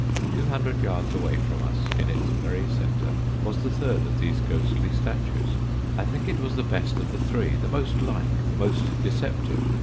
Two hundred yards away from us, in its very centre, was the third of these ghostly statues. I think it was the best of the three the most like, the most deceptive.